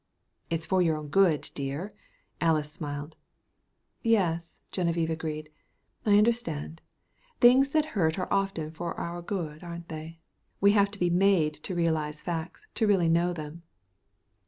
"It's for your own good, dear," Alys smiled. "Yes," Geneviève agreed. "I understand. Things that hurt are often for our good, aren't they? We have to be made to realize facts really to know them."